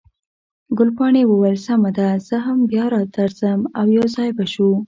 ګلپاڼې وویل، سمه ده، زه هم بیا درځم، او یو ځای به شو.